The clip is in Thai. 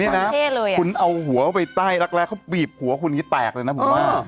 นี่นะคุณเอาหัวไปใต้รักแรกเขาบีบหัวคุณอย่างนี้แตกเลยนะผมว่า